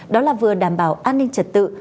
đó là vừa đảm bảo an ninh trật tự